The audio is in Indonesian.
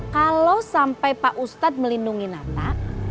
kalo sampai pak ustadz melindungi nata